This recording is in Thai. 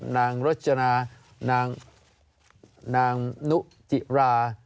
นางรจนานางนุจิรา